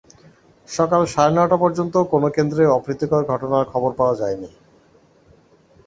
সকাল সাড়ে নয়টা পর্যন্ত কোনো কেন্দ্রে অপ্রীতিকর ঘটনার খবর পাওয়া যায়নি।